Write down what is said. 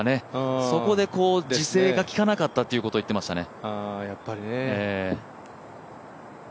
そこで自制がきかなかったということを言っていましたね。